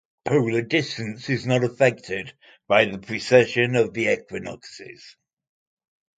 Polar distance is not affected by the precession of the equinoxes.